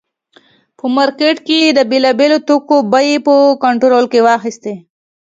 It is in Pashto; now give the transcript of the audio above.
په مارکېټ کې یې د بېلابېلو توکو بیې په کنټرول کې واخیستې.